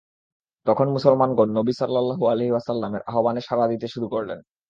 তখন মুসলমানগণ নবী সাল্লাল্লাহু আলাইহি ওয়াসাল্লামের আহবানে সাড়া দিতে শুরু করলেন।